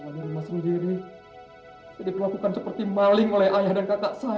semuanya rumah sendiri jadi perlakukan seperti maling oleh ayah dan kakak saya